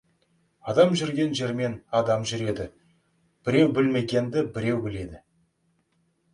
Адам жүрген жермен адам жүреді, біреу білмегенді біреу біледі.